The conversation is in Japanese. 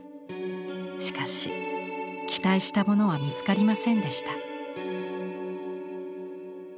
しかし期待したものは見つかりませんでした。